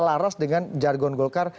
jangan jelas dengan jargon golkar